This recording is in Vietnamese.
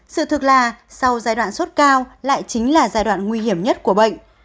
sự thực là sau giai đoạn suất cao lại chính là giai đoạn nguy hiểm nhất của bệnh